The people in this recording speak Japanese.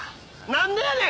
何でやねん！